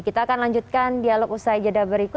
kita akan lanjutkan dialog usai jeda berikut